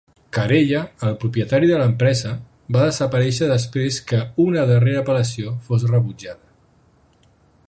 Carella, el propietari de l'empresa, va desaparèixer després que una darrera apel·lació fos rebutjada.